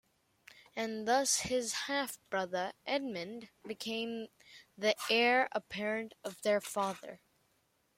And thus his half brother, Edmund, became the heir apparent of their father.